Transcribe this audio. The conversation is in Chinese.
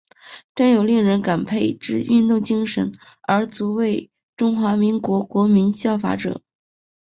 具有令人感佩之运动精神而足为中华民国国民效法者。